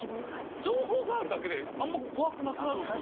情報があるだけであんま怖くなくなるというか。